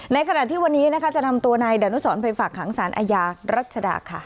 ในขณะที่วันนี้นะคะจะนำตัวนายดานุสรไปฝากขังสารอาญารัชดาค่ะ